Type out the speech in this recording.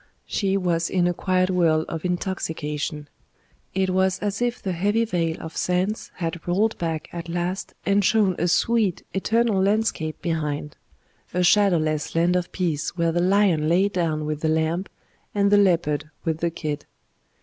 She was in a quiet whirl of intoxication; it was as if the heavy veil of sense had rolled back at last and shown a sweet, eternal landscape behind a shadowless land of peace where the lion lay down with the lamb, and the leopard with the kid.